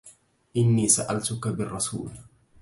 إني سألتك بالرسول